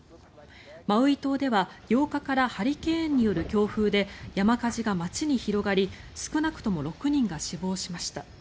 マウイ島は８日からハリケーンによる強風で山火事が街に広がり少なくとも６人が死亡しました。